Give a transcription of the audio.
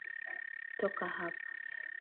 Toka hapa.